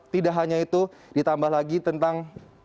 tidak hanya itu ditambah lagi tentang